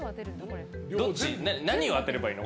何を当てればいいの？